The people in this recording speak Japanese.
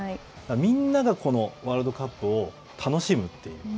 みんながこのワールドカップを楽しむという。